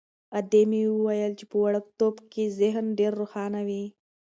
ادې مې ویل چې په وړکتوب کې ذهن ډېر روښانه وي.